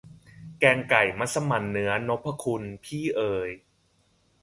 แกงไก่มัสหมั่นเนื้อ นพคุณ พี่เอย